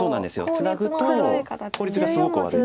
ツナぐと効率がすごく悪い。